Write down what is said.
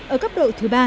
ở cấp độ thứ ba